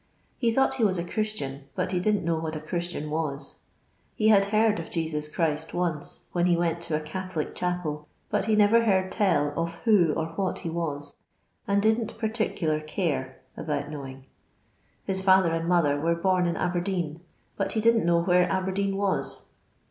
He thought he was a Christian, but he didn't know what a Christian was. He had heard of Jesus Christ once, when he went to a Catholic chapel, but he never heard tell of who or what he was, and didn't "particuUr care" about knowing. His fiither and mother were bom in Aberdeen, but he didn't know where Aberdeen was.